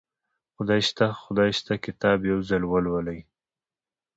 خدای شته خدای شته کتاب یو ځل ولولئ